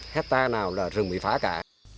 hectare nào là rừng bị phá cả